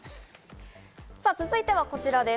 続いてはこちらです。